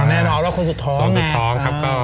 อ้าจรรย์แล้วคนสุดท้องแห้ง